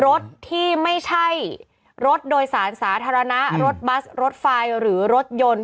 รถที่ไม่ใช่รถโดยสารสาธารณะรถบัสรถไฟหรือรถยนต์